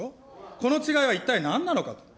この違いは一体なんなのかと。